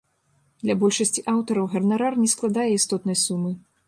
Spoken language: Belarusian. Для большасці аўтараў ганарар не складае істотнай сумы.